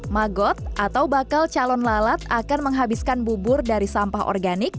magot atau bakal calon lalat akan menghabiskan bubur dari sampah organik